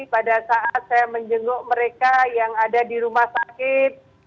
pada saat saya menjenguk mereka yang ada di rumah sakit